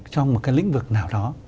trong một cái lĩnh vực nào đó